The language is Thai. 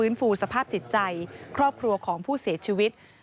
ฟูสภาพจิตใจครอบครัวของผู้เสียชีวิต